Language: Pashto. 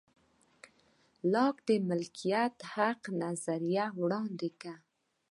لاک د مالکیت حق نظریه وړاندې کړه.